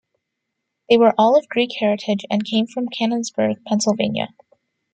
They were all of Greek heritage and came from Canonsburg, Pennsylvania.